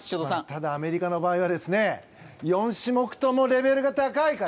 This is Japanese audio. ただ、アメリカの場合は４種目ともレベルが高いから。